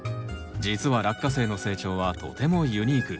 実はラッカセイの成長はとてもユニーク。